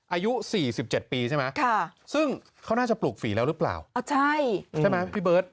อายุ๔๗ปีใช่ไหมซึ่งเขาน่าจะปลูกฝีแล้วหรือเปล่าใช่ไหมพี่เบิร์ต